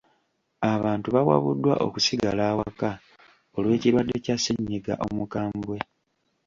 Abantu bawabuddwa okusigala awaka olw'ekirwadde kya ssennyiga omukambwe.